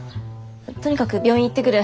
とにかく病院行ってくる。